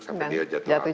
sampai dia jatuh hati